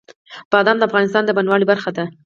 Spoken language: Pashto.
بادام د افغانستان د بڼوالۍ برخه ده.